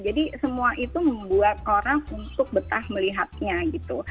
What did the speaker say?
jadi semua itu membuat orang untuk betah melihatnya gitu